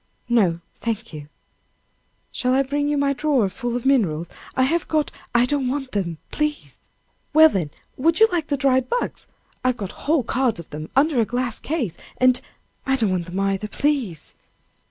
"No, thank you." "Shall I bring you my drawer full of minerals? I have got " "I don't want them, please." "Well, then, would you like the dried bugs? I've got whole cards of them under a glass case, and " "I don't want them either, please."